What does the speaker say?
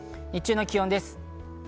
日中の気温です。